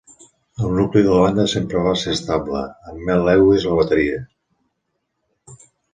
El nucli de la banda sempre va ser estable, amb Mel Lewis a la bateria.